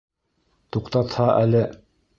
Туҡтатһа әле.